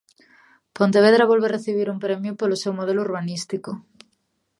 Pontevedra volve recibir un premio opolo seu modelo urbanístico.